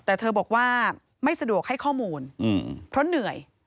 แต่เธอบอกว่าไม่สะดวกให้ข้อมูลเพราะเหนื่อย